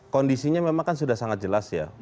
kondisinya memang kan sudah sangat jelas ya